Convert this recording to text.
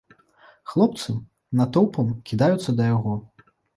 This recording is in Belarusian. Хлопцы натоўпам кідаюцца да яго.